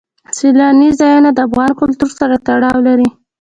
سیلانی ځایونه د افغان کلتور سره تړاو لري.